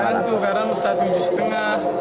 tentu kadang satu juz setengah